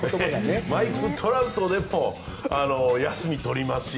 マイク・トラウトでも休み、取りますし。